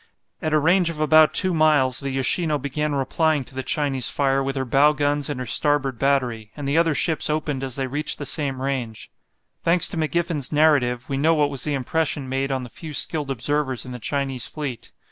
At a range of about two miles, the "Yoshino" began replying to the Chinese fire with her bow guns and her starboard battery, and the other ships opened as they reached the same range. Thanks to McGiffen's narrative, we know what was the impression made on the few skilled observers in the Chinese fleet.